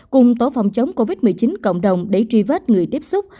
cùng tổ phòng chống covid một mươi chín cộng đồng để truy vết người tiếp xúc